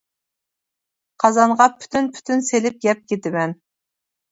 قازانغا پۈتۈن پۈتۈن سېلىپ يەپ كىتىمەن.